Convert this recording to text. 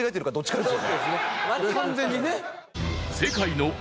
完全にね。